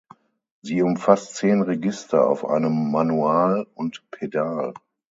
Sie umfasst zehn Register auf einem Manual und Pedal.